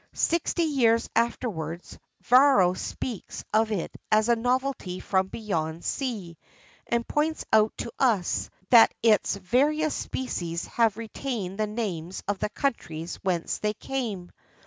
Sixty years afterwards Varro speaks of it as a novelty from beyond sea, and points out to us that its various species have retained the names of the countries whence they came.